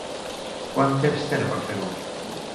Quant temps tenen per fer-ho?